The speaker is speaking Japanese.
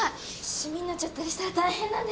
染みになっちゃったりしたら大変なんで！